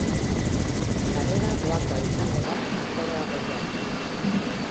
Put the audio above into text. Sarrera doakoa izango da, aforoa bete arte.